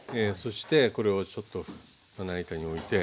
これをちょっとまな板において。